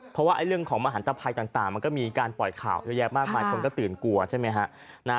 เพราะว่าเรื่องของมหันตภัยต่างมันก็มีการปล่อยข่าวเยอะแยะมากมายคนก็ตื่นกลัวใช่ไหมฮะ